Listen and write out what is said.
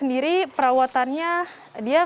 dia gak boleh dibawa ke tempat lain